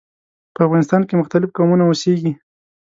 په افغانستان کې مختلف قومونه اوسیږي.